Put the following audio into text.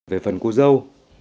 về phần cô dâu